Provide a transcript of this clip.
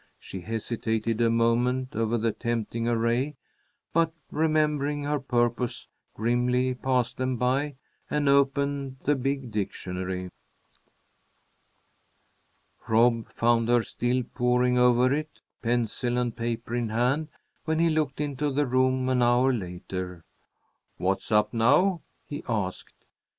She hesitated a moment over the tempting array, but remembering her purpose, grimly passed them by and opened the big dictionary. Rob found her still poring over it, pencil and paper in hand, when he looked into the room an hour later. "What's up now?" he asked.